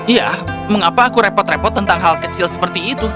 iya mengapa aku repot repot tentang hal kecil seperti itu